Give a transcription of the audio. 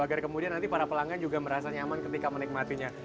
agar kemudian nanti para pelanggan juga merasa nyaman ketika menikmatinya